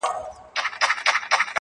زه له فطرته عاشقي کوومه ښه کوومه,